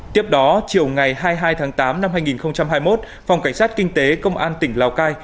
tiếp đó chiều ngày hai mươi hai tháng tám năm hai nghìn hai mươi một phòng cảnh sát kinh tế công an tỉnh lào cai